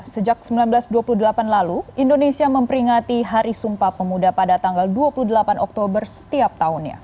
sejak seribu sembilan ratus dua puluh delapan lalu indonesia memperingati hari sumpah pemuda pada tanggal dua puluh delapan oktober setiap tahunnya